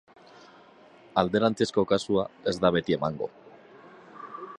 Alderantzizko kasua ez da beti emango.